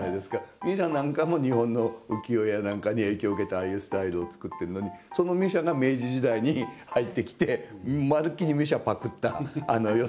ミュシャなんかも日本の浮世絵や何かに影響を受けてああいうスタイルを作っているのにそのミュシャが明治時代に入ってきてまるっきり